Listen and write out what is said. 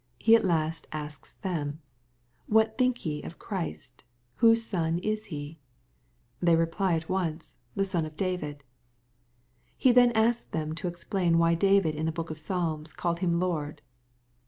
He at last asks them, "What think ye of Christ ? Whose Son is He ?" They reply at once, "the son of David." He then asks them to explain, why David in the book of Psalms calls Him Lord.